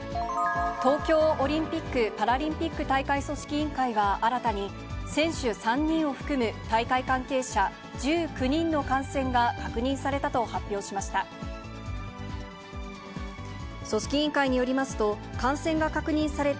東京オリンピック・パラリンピック大会組織委員会は、新たに、選手３人を含む大会関係者１９人の感染が確認されたと発表しました。